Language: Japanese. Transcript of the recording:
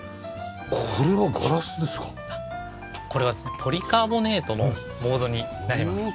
ポリカーボネートのボードになります。